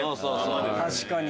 確かに。